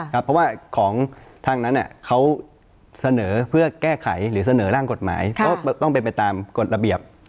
เพราะว่าของทางนั้นเขาเสนอเพื่อแก้ไขหรือเสนอร่างกฎหมายก็ต้องเป็นไปตามกฎระเบียบ